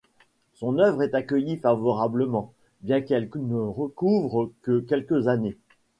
Son œuvre est accueillie favorablement, bien qu'elle ne recouvre que quelques années.